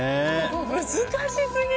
難しすぎ！